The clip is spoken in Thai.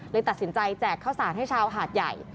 ตัดสินใจแจกข้าวสารให้ชาวหาดใหญ่